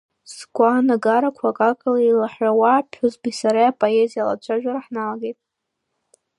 Сгәаанагарақәа акакала илаҳәауа, аԥҳәызбеи сареи апоезиа алацәажәара ҳналагеит.